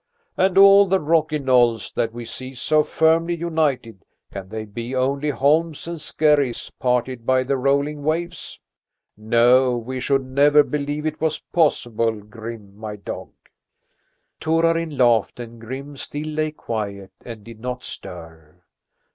And all the rocky knolls that we see so firmly united, can they be only holms and skerries parted by the rolling waves? No, we should never believe it was possible, Grim, my dog." Torarin laughed and Grim still lay quiet and did not stir.